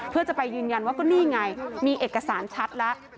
เพื่อจะไปยืนยันว่าก็นี่ไงมีเอกสารชัดแล้ว